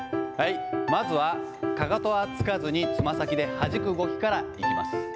まずはかかとはつかずに、つま先ではじく動きからいきます。